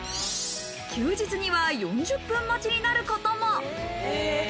休日には４０分待ちになることも。